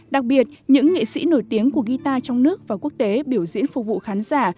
đặc biệt những nghệ sĩ nổi tiếng của guitar trong nước và quốc tế biểu diễn phục vụ khán giả